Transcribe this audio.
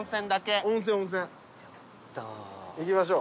行きましょう。